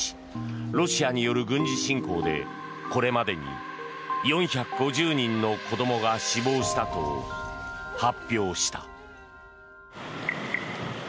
ロシアによる軍事侵攻でこれまでに４５０人の子供が死亡したと発表した。